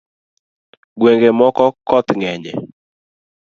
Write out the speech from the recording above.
Ngwenge moko koth ng’enye